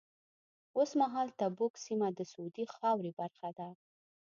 اوس مهال تبوک سیمه د سعودي خاورې برخه ده.